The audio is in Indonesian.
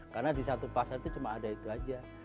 karena di satu pasar itu cuma ada itu aja